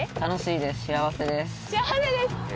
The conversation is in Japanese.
幸せです！